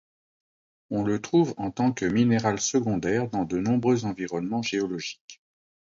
On le trouve en tant que minéral secondaire dans de nombreux environnements géologiques.